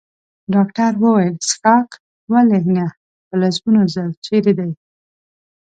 ډاکټر وویل: څښاک؟ ولې نه، په لسګونو ځل، چېرې دی؟